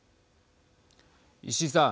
石井さん。